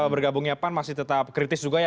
bergabungnya pan masih tetap kritis juga ya